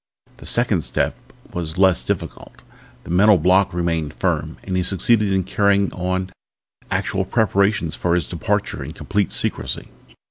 The second step was less difficult. The mental block remained firm and he succeeded in carrying on actual preparations for his departure in complete secrecy.